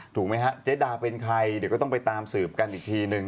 ถูกไหมฮะเจ๊ดาเป็นใครเดี๋ยวก็ต้องไปตามสืบกันอีกทีนึง